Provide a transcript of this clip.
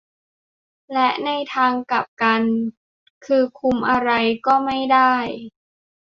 และในทางกลับกันคือคุมอะไรก็ไม่ได้